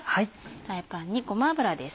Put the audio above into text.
フライパンにごま油です。